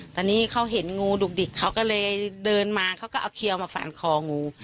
ตอนนี้เขาเห็นงูดุกดิกเขาก็เลยเดินมาเขาก็เอาเขียวมาฟันคองู